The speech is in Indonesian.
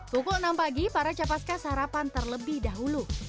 pukul enam pagi para capaska sarapan terlebih dahulu